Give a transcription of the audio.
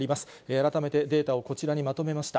改めてデータをこちらにまとめました。